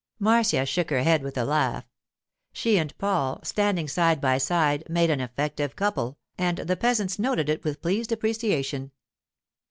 Marcia shook her head with a laugh. She and Paul, standing side by side, made an effective couple, and the peasants noted it with pleased appreciation.